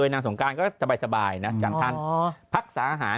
นางกากี๊พูดมา